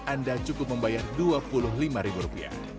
anda cukup membayar dua puluh lima ribu rupiah